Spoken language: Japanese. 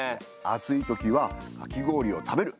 暑い時はかき氷を食べる！